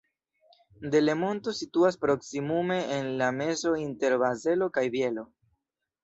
Delemonto situas proksimume en la mezo inter Bazelo kaj Bielo.